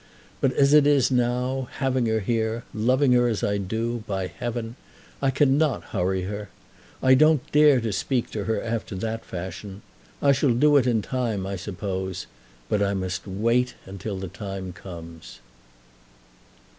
But as it is now, having her here, loving her as I do, by heaven! I cannot hurry her. I don't dare to speak to her after that fashion. I shall do it in time, I suppose; but I must wait till the time comes."